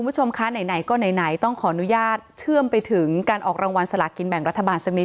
พ้นที่อย่างก็เป็นคนที่ริบว่ากระเบียงหันไปทางนั่น